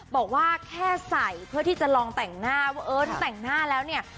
บอกว่าแค่ใส่เพื่อที่จะลองแต่งหน้าว่าเออถ้าแต่งหน้าแล้วเนี่ย